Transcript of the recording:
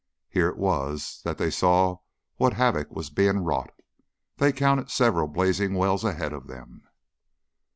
Here it was that they saw what havoc was being wrought they counted several blazing wells ahead of them.